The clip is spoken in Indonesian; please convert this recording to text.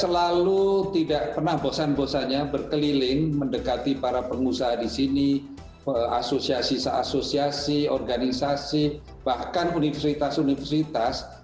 selalu tidak pernah bosan bosannya berkeliling mendekati para pengusaha di sini asosiasi se asosiasi organisasi bahkan universitas universitas